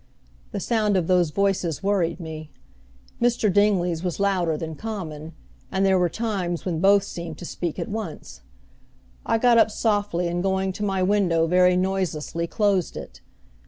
The sound of those voices worried me; Mr. Dingley's was louder than common, and there were times when both seemed to speak at once. I got up softly and going to my window very noiselessly closed it.